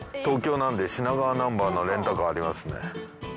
東京なんで品川ナンバーのレンタカーありますね。